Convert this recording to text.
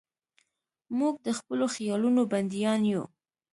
موږ د خپلو خیالونو بندیان یو.